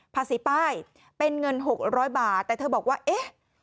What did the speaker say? ภาษีป้ายเป็นเงิน๖๐๐บาทแต่เธอบอกว่าเอ๊ะ